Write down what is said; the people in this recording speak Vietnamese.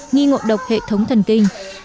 nghi ngộ độc hệ thống thần kinh